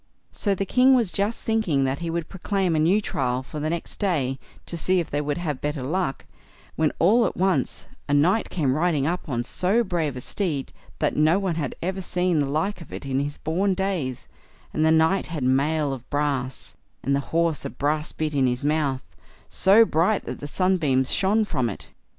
So the king was just thinking that he would proclaim a new trial for the next day, to see if they would have better luck, when all at once a knight came riding up on so brave a steed, that no one had ever seen the like of it in his born days, and the knight had mail of brass, and the horse a brass bit in his mouth, so bright that the sunbeams shone from it.